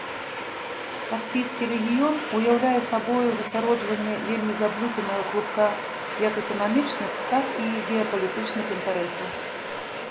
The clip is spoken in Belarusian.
Каспійскі рэгіён уяўляе сабою засяроджванне вельмі заблытанага клубка як эканамічных, так і геапалітычных інтарэсаў.